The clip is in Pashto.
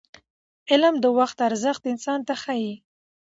علم د وخت ارزښت انسان ته ښيي.